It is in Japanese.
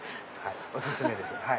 お薦めです。